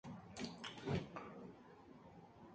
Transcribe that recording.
Es hijo de David Zimmerman y Becky Zimmerman.